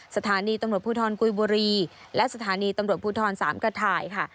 สถานีตำรวจภูทรกุยบุรีและสถานีตำรวจภูทรสามกระถ่ายค่ะ